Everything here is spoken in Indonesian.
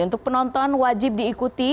untuk penonton wajib diikuti